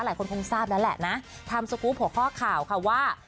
หลายคนคงทราบแล้วแหละนะทำสกรูปหัวข้อข่าวค่ะว่า